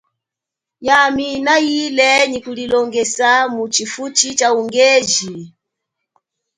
Yami na ile nyi kulilongesa mutshifutshi chaungeji.